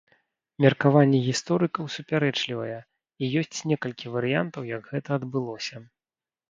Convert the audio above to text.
Меркаванні гісторыкаў супярэчлівыя і ёсць некалькі варыянтаў як гэта адбылося.